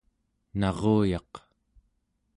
naruyaq¹